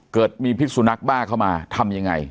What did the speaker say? เกิดมีพิษสุนัขบ้าเข้ามาทำยังไง